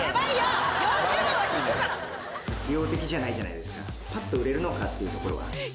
実用的じゃないじゃないですか、ぱっと売れるのかっていうところは。